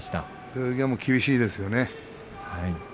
土俵際も厳しいですよね。